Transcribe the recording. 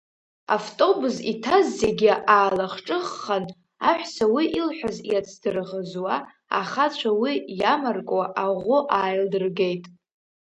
Автобус иҭаз зегьы аалахҿыххан, аҳәса уи илҳәаз иацдырӷызуа, ахацәа уи иамаркуа, аӷу ааилдыргеит.